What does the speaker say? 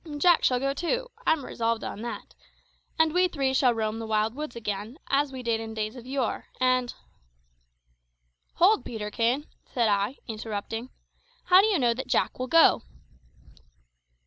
And Jack shall go too I'm resolved on that; and we three shall roam the wild woods again, as we did in days of yore, and " "Hold, Peterkin," said I, interrupting. "How do you know that Jack will go?"